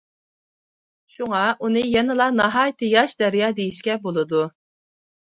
شۇڭا ئۇنى يەنىلا ناھايىتى ياش دەريا دېيىشكە بولىدۇ.